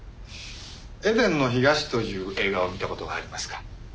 『エデンの東』という映画を見た事がありますか？